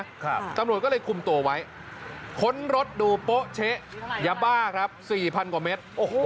ตำรวจก็เลยคุมตัวไว้ค้นรถดูโป๊ะเช๊ะยาบ้าครับสี่พันกว่าเมตรโอ้โห